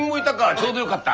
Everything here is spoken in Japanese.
ちょうどよかった！